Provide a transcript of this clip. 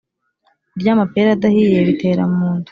kurya amapera adahiye bitera munda